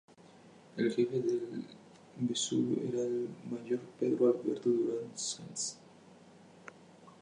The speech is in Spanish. El jefe de El Vesubio era el mayor Pedro Alberto Durán Sáenz.